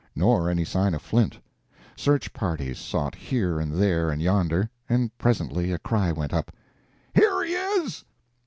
Nor any sign of Flint. Search parties sought here and there and yonder, and presently a cry went up. "Here he is!"